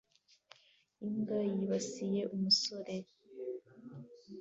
Imbwa yibasiye umusore